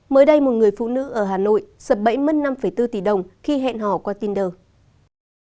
mới đây một người phụ nữ ở hà nội sập bẫy mất năm bốn tỷ đồng khi hẹn họ qua tin đời